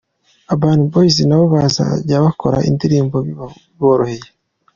Urban Boyz nabo bazajya bakora indirimbo biboroheye.